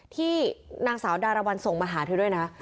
ที่นางสาวดารวรรณส่งมาหาเธอด้วยนะ